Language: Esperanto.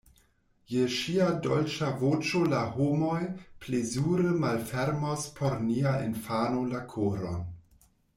Je ŝia dolĉa voĉo la homoj plezure malfermos por nia infano la koron.